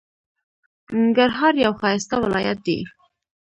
ننګرهار یو ښایسته ولایت دی.